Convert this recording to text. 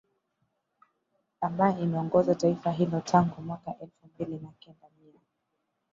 ambae imeongoza taifa hilo tangu mwaka elfu mbili na kenda mia